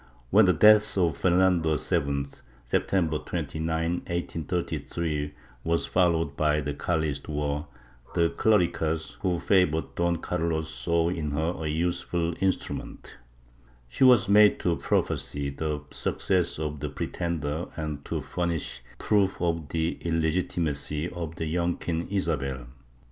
When the death of Fernando VII, September 29, 1833 was followed by the Carlist war, the clericals, who favored Don Carlos, saw in her a useful instrument. She was made to prophesy the success of the Pretender and to furnish proof of the illegitimacy of the young Queen Isabel.